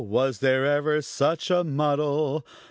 Was there ever such a muddle?